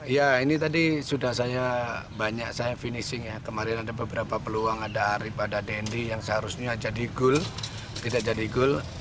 ya ini tadi sudah saya banyak saya finishing ya kemarin ada beberapa peluang ada arief ada dendy yang seharusnya jadi goal tidak jadi goal